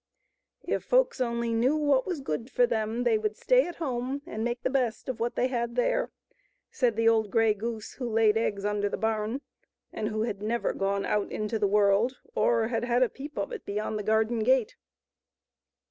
" If folks only knew what was good for them, they would stay at home and make the best of what they had there," said the old grey goose who laid eggs under the barn, and who had never gone out into the world or had had a peep of it beyond the garden gate.